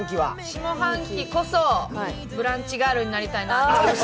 下半期こそブランチガールになりたいなと思って。